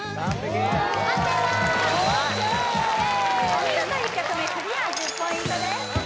お見事１曲目クリア１０ポイントです